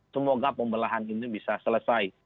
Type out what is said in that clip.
semoga pembelahan ini bisa selesai